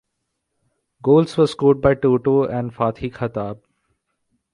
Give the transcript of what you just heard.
Goals were scored by Toto and Fathi Khattab.